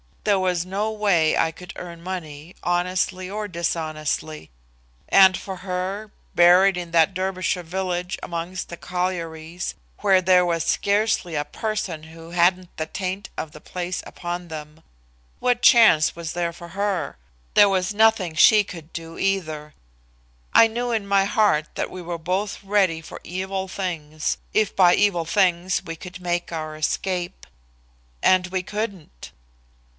There was no way I could earn money, honestly or dishonestly. And for her, buried in that Derbyshire village amongst the collieries, where there was scarcely a person who hadn't the taint of the place upon them what chance was there for her? There was nothing she could do, either. I knew in my heart that we were both ready for evil things, if by evil things we could make our escape. And we couldn't.